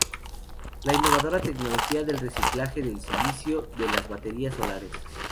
La innovadora tecnología del reciclaje del silicio de las baterías solares.